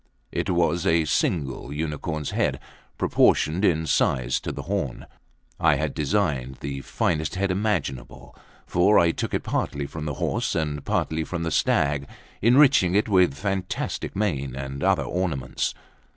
It was a single unicorn's head, proportioned in size to the horn. I had designed the finest head imaginable; for I took it partly from the horse and partly from the stag, enriching it with fantastic mane and other ornaments.